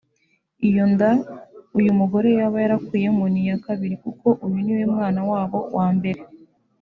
Iyo nda uyu mugore yaba yarakuyemo ni iya kabiri kuko uyu ni we mwana wabo wa mbere